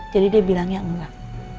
jadi dia bilang ya enggak